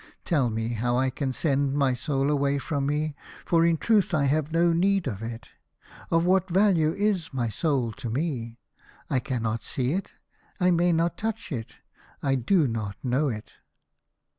Tell me how I can send my soul away from me, for in truth I have no need of it. Of what value is my soul to me ? I cannot see it. I may not touch it. I do not know it."